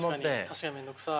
確かに面倒くさい。